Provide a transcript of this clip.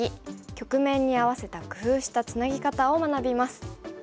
局面に合わせた工夫したツナギ方を学びます。